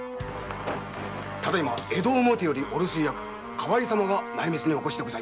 ただ今江戸表よりお留守居役河合様が内密にお越しです。